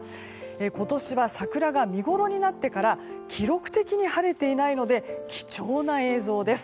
今年は桜が見ごろになってから記録的に晴れていないので貴重な映像です。